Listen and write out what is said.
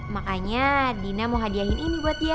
makanya dina mau hadiahin ini buat dia